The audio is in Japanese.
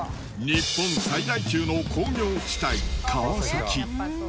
日本最大級の工業地帯